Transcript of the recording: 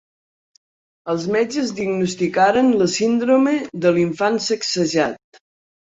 Els metges diagnosticaren la síndrome de l'infant sacsejat.